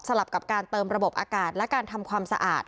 ลับกับการเติมระบบอากาศและการทำความสะอาด